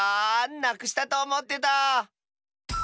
なくしたとおもってた。